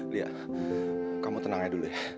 lia kamu tenang ya dulu ya